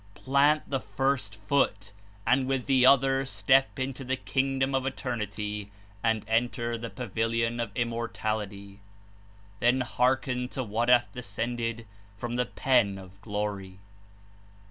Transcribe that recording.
Plant the first foot, and with the other step into the Kingdom of Eternity and enter the Pavilion of Immortality. Then hearken to what hath descend ed from the Pen of Glory.